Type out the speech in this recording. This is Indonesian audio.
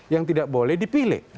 yang tidak boleh dipilih